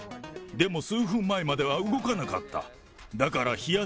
でも数分前までは動かなかった。